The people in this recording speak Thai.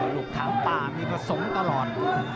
ลูกถามตามมีผสมตลอด